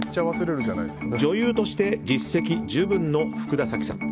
女優として実績十分の福田沙紀さん。